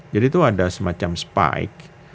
jadi itu ada semacam spike